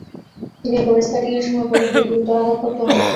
তিনি একবার স্কেটিংয়ের সময় পরে গিয়ে গুরুতর আঘাতপ্রাপ্ত হন।